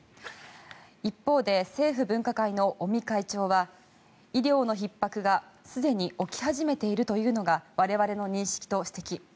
一方で政府分科会の尾身会長は医療のひっ迫がすでに起き始めているというのが我々の認識と指摘。